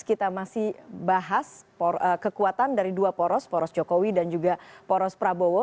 kita masih bahas kekuatan dari dua poros poros jokowi dan juga poros prabowo